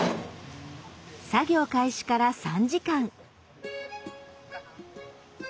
作業開始から３時間。